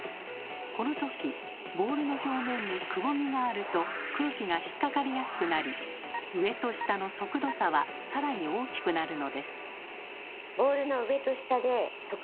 このときボールの表面にくぼみがあると空気が引っ掛かりやすくなり上と下の速度差はさらに大きくなるのです。